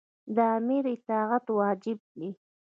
د امیر اطاعت واجب دی.